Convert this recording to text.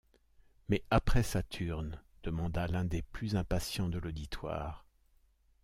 Mais après Saturne? demanda l’un des plus impatients de l’auditoire.